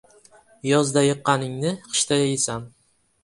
• Yozda yiqqaningni qishda yeysan.